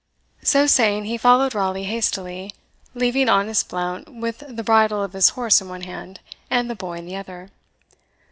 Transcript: So saying, he followed Raleigh hastily, leaving honest Blount with the bridle of his horse in one hand, and the boy in the other.